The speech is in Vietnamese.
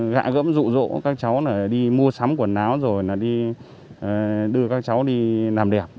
gã gẫm dụ dỗ các cháu đi mua sắm quần áo rồi đưa các cháu đi làm đẹp